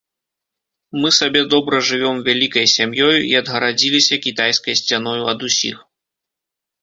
Мы сабе добра жывём вялікай сям'ёю і адгарадзіліся кітайскай сцяною ад усіх.